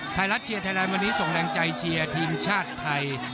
ไทยรัฐเชียร์ไทยแลนดวันนี้ส่งแรงใจเชียร์ทีมชาติไทย